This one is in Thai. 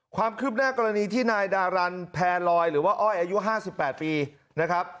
ความคืบหน้ากรณีที่นายดารันแพรลอยหรือว่าอ้อยอายุ๕๘ปีนะครับ